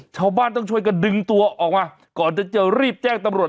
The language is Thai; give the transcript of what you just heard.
ชาวบ้านต้องช่วยกันดึงตัวออกมาก่อนจะรีบแจ้งตำรวจ